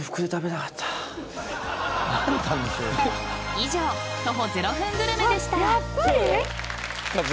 以上、徒歩０分グルメでした。